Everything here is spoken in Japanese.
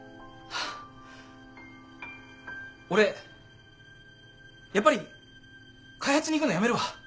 俺やっぱり開発に行くのやめるわ。